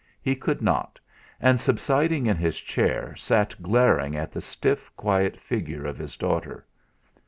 He could not and subsiding in his chair sat glaring at the stiff, quiet figure of his daughter.